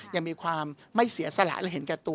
ยังมีความไม่เสียสละและเห็นแก่ตัว